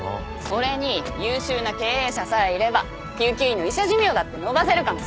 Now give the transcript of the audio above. それに優秀な経営者さえいれば救急医の医者寿命だって延ばせるかもしれないしね。